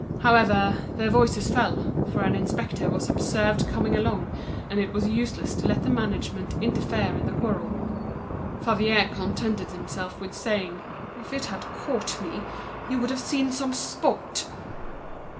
However, their voices fell, an inspector was observed coming along, and it was useless to introduce the management into the quarrel. Favier contented himself with saying: "If it had caught me, you would have seen some sport!"